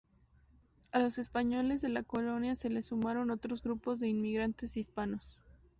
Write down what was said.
A los españoles de la colonia se les sumaron otros grupos de inmigrantes hispanos.